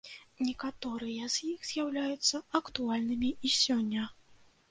Некаторыя з іх з'яўляюцца актуальнымі і сёння.